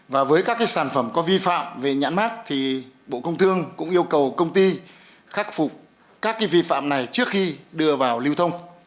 và với các sản phẩm có vi phạm về nhãn mát thì bộ công thương cũng yêu cầu công ty khắc phục các vi phạm này trước khi đưa vào lưu thông